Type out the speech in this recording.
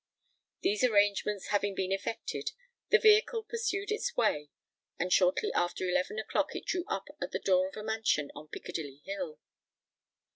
These arrangements having been effected, the vehicle pursued its way; and shortly after eleven o'clock it drew up at the door of a mansion on Piccadilly Hill.